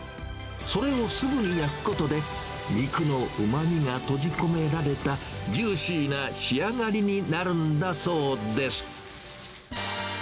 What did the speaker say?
それをすぐに焼くことで、肉のうまみが閉じ込められた、ジューシーな仕上がりになるんだそうです。